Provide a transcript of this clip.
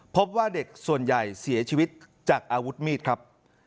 พบว่าเด็กส่วนใหญ่เสียชีวิตจากอาวุธมีดครับ